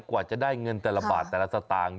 กว่าจะได้เงินแต่ละบาทแต่ละสตางค์